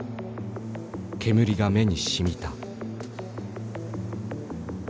煙が目にしみた。